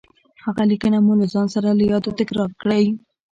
هغه ليکنه مو له ځان سره له يادو تکرار کړئ.